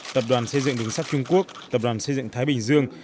tập đoàn xây dựng đường sắt trung quốc tập đoàn xây dựng thái bình dương